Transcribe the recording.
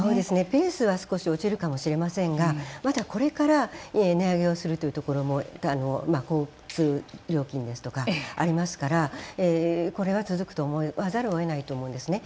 ペースは少し落ちるかもしれませんがまだ、これから値上げするというところも交通料金とかありますからこれは続くと思わざるをえないと思うんですね。